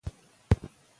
ښوونکي باید انصاف وساتي.